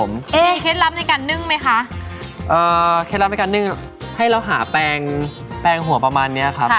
มีเคล็ดลับในการนึ่งไหมคะเอ่อเคล็ดลับในการนึ่งให้เราหาแปลงแปลงหัวประมาณเนี้ยครับ